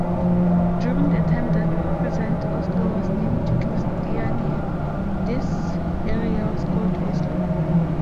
During the time that present Oslo was named Christiania, this area was called Oslo.